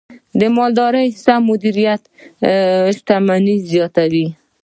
د مالدارۍ سم مدیریت شتمني زیاتوي.